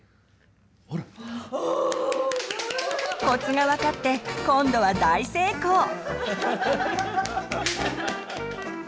コツが分かって今度は大成功！